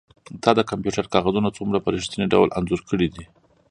تا د کمپیوټر کاغذونه څومره په ریښتیني ډول انځور کړي دي